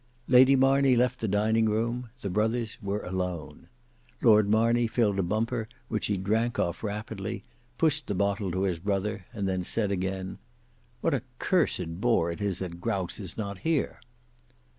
Lady Marney left the dining room; the brothers were alone. Lord Marney filled a bumper, which he drank off rapidly, pushed the bottle to his brother, and then said again, "What a cursed bore it is that Grouse is not here."